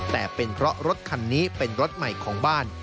แต่เป็นเพราะรถคันนี้เป็นรถใหม่ของบ้าน